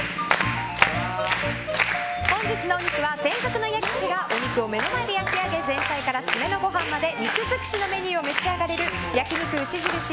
本日のお肉は、専属の焼き師がお肉を目の前で焼き上げ前菜から締めのごはんまで肉尽くしのメニューを召し上がれる焼肉牛印